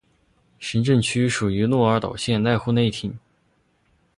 行政区属于鹿儿岛县濑户内町。